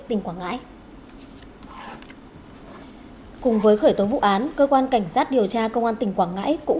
tỉnh quảng ngãi cùng với khởi tố vụ án cơ quan cảnh sát điều tra công an tỉnh quảng ngãi cũng